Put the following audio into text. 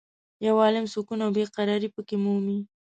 یو عالم سکون او بې قرارې په کې مومې.